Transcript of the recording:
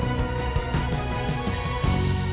selesai hari ini